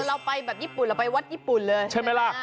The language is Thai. เราไปแบบญี่ปุ่นเราไปวัดญี่ปุ่นเลยใช่ไหมล่ะ